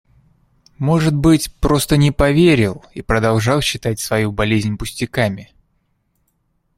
Может быть, просто не поверил и продолжал считать свою болезнь пустяками.